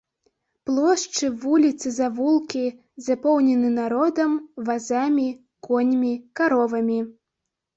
Плошчы, вуліцы, завулкі запоўнены народам, вазамі, коньмі, каровамі.